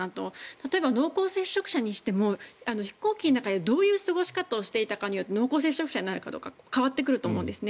例えば濃厚接触者にしても飛行機の中でどういう過ごし方をしていたかによって濃厚接触者になるかどうか変わってくると思うんですね。